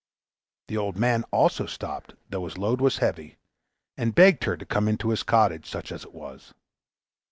The old man also stopped, though his load was heavy, and begged her to come into his cottage, such as it was.